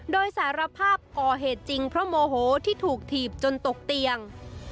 โดยสารภาพก่อเหตุจริงเพราะโมโหที่ถูกถีบจนตกเตียง